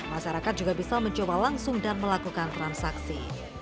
masyarakat juga bisa mencoba langsung dan melakukan transaksi